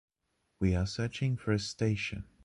We are searching for a station.